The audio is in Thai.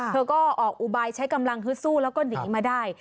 เธอก็ออกอุบายใช้กำลังฮึดสู้แล้วก็หนีมาได้